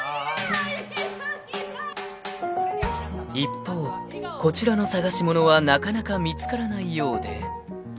［一方こちらの捜しものはなかなか見つからないようで］